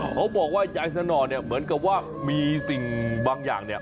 เขาบอกว่ายายสนอเนี่ยเหมือนกับว่ามีสิ่งบางอย่างเนี่ย